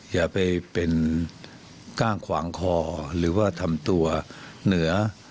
อย่าไปเป็นก้างขวางคอหรือว่าทำตัวเหนือ